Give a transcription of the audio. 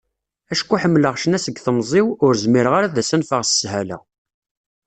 Acku ḥemmleɣ ccna seg temẓi-w, ur zmireɣ ara ad as-anfeɣ s sshala.